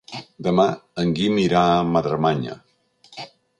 Demà en Guim irà a Madremanya.